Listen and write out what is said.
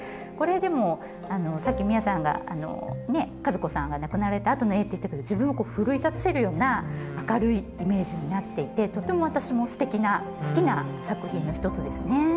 これでもさっき弥麻さんがね和子さんが亡くなられたあとの絵って言ったけど自分をこう奮い立たせるような明るいイメージになっていてとても私もすてきな好きな作品の一つですね。